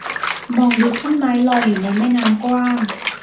มองดูท่อนไม้ลอยอยู่ในแม่น้ำกว้าง